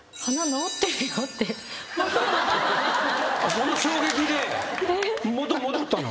その衝撃で元に戻ったの？